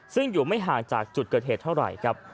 ซึ่งอยู่ไม่ห่างจากจุดเกิดเหตุเท่าไหร่ครับ